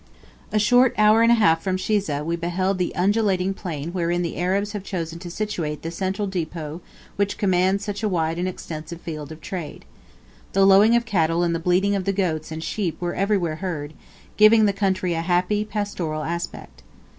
A short half hour from Shiza we beheld the undulating plain wherein the Arabs have chosen to situate the central depot which commands such wide and extensive field of trade. The lowing of cattle and the bleating of the goats and sheep were everywhere heard, giving the country a happy, pastoral aspect.